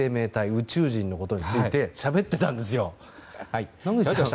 宇宙人のことについてしゃべっていたんですよ。